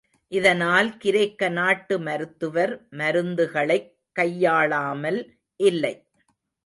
இதனால் கிரேக்க நாட்டு மருத்துவர், மருந்துகளைக் கையாளாமல் இல்லை.